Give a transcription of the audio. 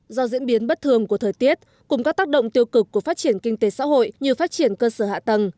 do diễn biến bất thường của thời tiết cùng các tác động tiêu cực của phát triển kinh tế xã hội như phát triển cơ sở hạ tầng